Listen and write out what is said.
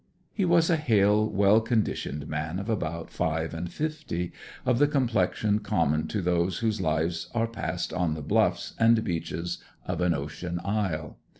He was a hale, well conditioned man of about five and fifty, of the complexion common to those whose lives are passed on the bluffs and beaches of an ocean isle.